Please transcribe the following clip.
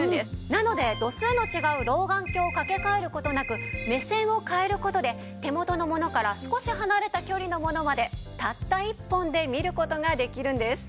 なので度数の違う老眼鏡をかけ替える事なく目線を変える事で手元のものから少し離れた距離のものまでたった１本で見る事ができるんです。